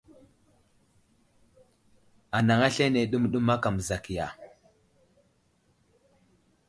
Anaŋ aslane ɗəmɗəm aka məzakiya.